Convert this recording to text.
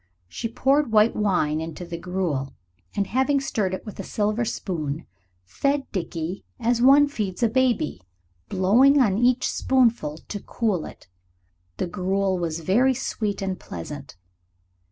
She poured white wine into the gruel, and, having stirred it with a silver spoon, fed Dickie as one feeds a baby, blowing on each spoonful to cool it. The gruel was very sweet and pleasant.